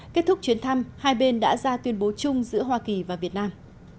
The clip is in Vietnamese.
kết thúc chuyến thăm hai bên đã ra tuyên bố chung giữa hoa kỳ và việt nam